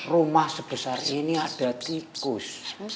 rumah sebesar ini ada tikus